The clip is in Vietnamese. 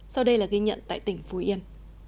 sau đây là ghi nhận tại tỉnh phú yên